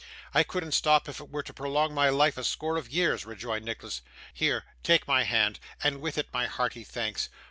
'I couldn't stop if it were to prolong my life a score of years,' rejoined Nicholas. 'Here, take my hand, and with it my hearty thanks.